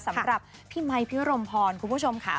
สำหรับพี่ไมค์พี่รมพรคุณผู้ชมค่ะ